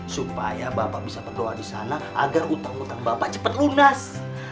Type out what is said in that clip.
supaya bapak bisa berdoa di sana agar utang utang bapak cepat lunas